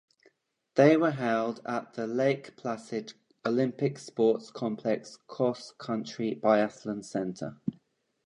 They were held at the Lake Placid Olympic Sports Complex Cross Country Biathlon Center.